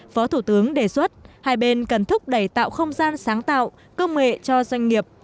phó thủ tướng đề xuất hai bên cần thúc đẩy tạo không gian sáng tạo công nghệ cho doanh nghiệp